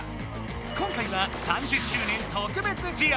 今回は「３０周年特別試合」。